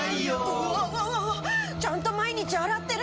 うわわわわちゃんと毎日洗ってるのに。